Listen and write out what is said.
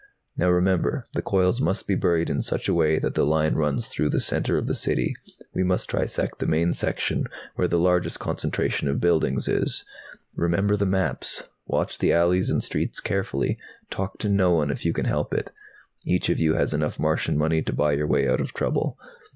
"Now remember, the coils must be buried in such a way that the line runs through the center of the City. We must trisect the main section, where the largest concentration of buildings is. Remember the maps! Watch the alleys and streets carefully. Talk to no one if you can help it. Each of you has enough Martian money to buy your way out of trouble.